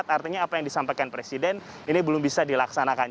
artinya apa yang disampaikan presiden ini belum bisa dilaksanakan